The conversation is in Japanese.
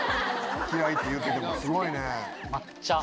嫌いって言うててもすごいね。